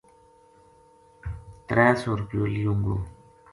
ترے سو رُپیو لیوں گو